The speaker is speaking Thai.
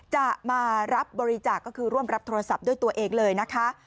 จะมารับบริจาคก็คือร่วมรับโทรศัพท์ด้วยตัวเองเลยนะคะ